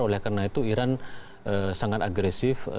oleh karena itu iran sangat agresif